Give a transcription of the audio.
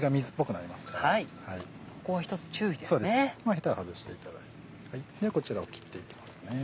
ヘタは外していただいてこちらを切っていきますね。